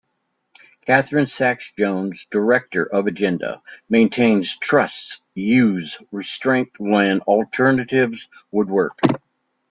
Katharine Sacks-Jones director of Agenda, maintains trusts use restraint when alternatives would work.